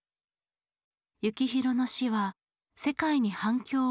幸宏の死は世界に反響を及ぼした。